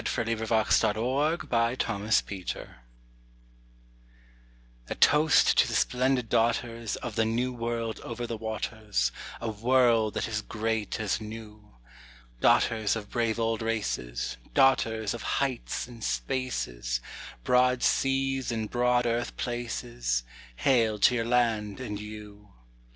TO THE WOMEN OF AUSTRALIA A toast to the splendid daughters Of the New World over the waters, A world that is great as new; Daughters of brave old races, Daughters of heights and spaces, Broad seas and broad earth places— Hail to your land and you!